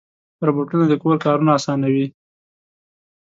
روبوټونه د کور کارونه اسانوي.